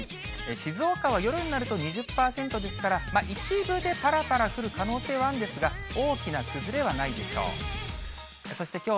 静岡は夜になると、２０％ですから、一部でぱらぱら降る可能性はあるんですが、大きな崩れはないでしょう。